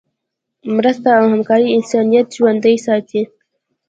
مرسته او همکاري انسانیت ژوندی ساتي.